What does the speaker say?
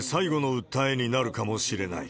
最後の訴えになるかもしれない。